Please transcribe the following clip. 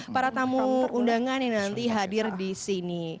para tamu undangan yang nanti hadir disini